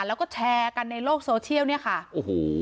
แล้วก็แชร์กันในโลกโซเชียลเนี่ยค่ะโอ้โห